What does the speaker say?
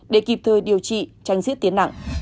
để kịp thời điều trị tranh diễn tiến nặng